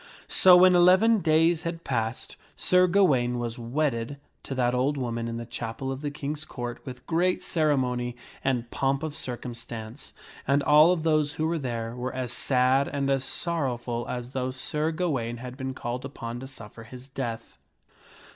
So when eleven days had passed, Sir Ga waine was wedded to that old woman in the chapel of the King's Court with great ceremony and pomp of circumstance, and all of those who were there were as sad and as sorrowful as though Sir Gawaine had been called upon to suffer his death.